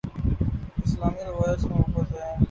اسلامی روایات سے محبت ہے